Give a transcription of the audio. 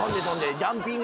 ジャンピング。